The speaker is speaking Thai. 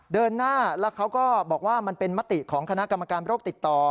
เดินหน้าแล้วเขาก็บอกว่ามันเป็นมติของคณะกรรมการโรคติดต่อ